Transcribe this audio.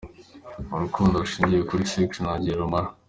Urukundo rushingiye kuli sex nta gihe rumara.